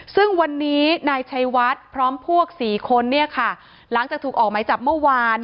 ซึ่งวันนี้นายชัยวัดพร้อมพวก๔คนเนี่ยค่ะหลังจากถูกออกหมายจับเมื่อวาน